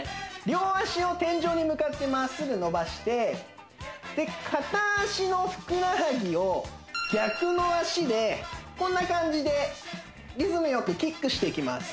両足を天井に向かってまっすぐ伸ばして片足のふくらはぎを逆の足でこんな感じでリズムよくキックしていきます